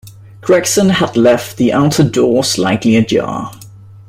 Gregson had left the outer door slightly ajar.